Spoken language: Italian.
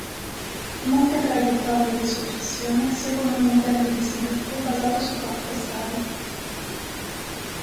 Molte traiettorie di successione seguono un modello di sviluppo basato su quattro stadi.